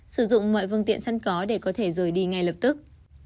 sử dụng mọi vương tiện săn có để có thể rời đi ngay lập tức